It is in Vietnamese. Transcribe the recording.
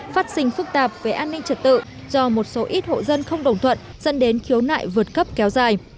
phát sinh phức tạp về an ninh trật tự do một số ít hộ dân không đồng thuận dẫn đến khiếu nại vượt cấp kéo dài